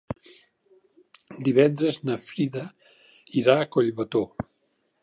Divendres na Frida irà a Collbató.